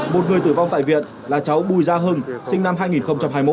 một người tử vong tại viện là cháu bùi gia hưng sinh năm hai nghìn hai mươi một